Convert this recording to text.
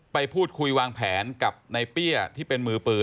ไปพูดคุยวางแผนกับในเปี้ยที่เป็นมือปืน